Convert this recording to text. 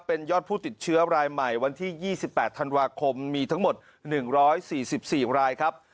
เป็นยอดผู้ติดเชื้อรายใหม่วันที่๒๘ธันวาคมมีทั้งหมด๑๔๔รายครับ